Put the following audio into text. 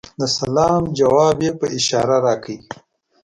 د سلام ځواب یې په اشاره راکړ .